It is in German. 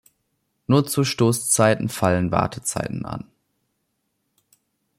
Nur zu Stoßzeiten fallen Wartezeiten an.